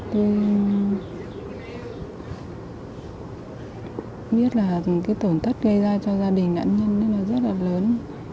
tôi biết là cái tổn thất gây ra cho gia đình nạn nhân là rất là lớn